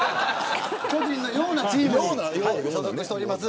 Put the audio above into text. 巨人のようなチームに所属してます。